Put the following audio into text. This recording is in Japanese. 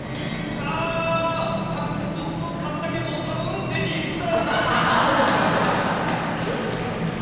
あぁタンクトップ買ったけどたぶんレディースだ